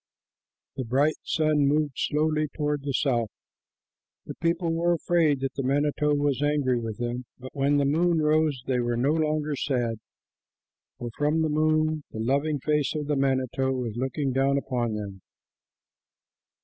The bright sun moved slowly toward the south. The people were afraid that the manito was angry with them, but when the moon rose they were no longer sad, for from the moon the loving face of the manito was looking down upon them.